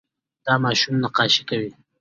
دا ماشوم نقاشي کوي.